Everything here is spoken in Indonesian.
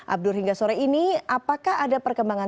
abdur hingga sore ini apakah ada perkembangan